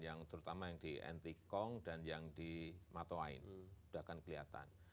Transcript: yang terutama yang di antikong dan yang di matoain sudah akan kelihatan